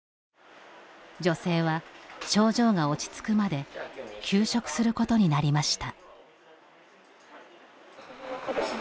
女性は、症状が落ち着くまで休職することになりました。